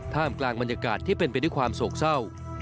กลางบรรยากาศที่เป็นไปด้วยความโศกเศร้า